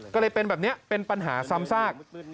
ก็เลยเป็นแบบนี้เป็นปัญหาซ้ำซาก